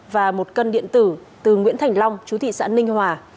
và một cân điện tử từ nguyễn thành long chú thị xã ninh hòa